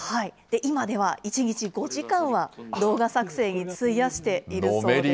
今では１日５時間は動画作成に費やしているそうです。